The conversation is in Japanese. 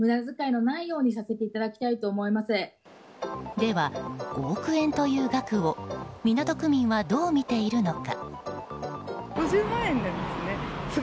では、５億円という額を港区民はどう見ているのか。